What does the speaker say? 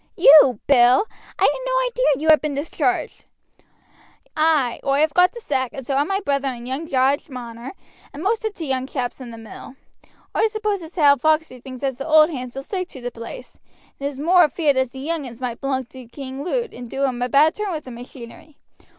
"You, Bill! I had no idea you had been discharged." "Ay; oi have got the sack, and so ha' my brother and young Jarge Marner, and most o' t' young chaps in the mill. Oi suppose as how Foxey thinks as the old hands will stick to t' place, and is more afeerd as the young uns might belong to King Lud, and do him a bad turn with the machinery.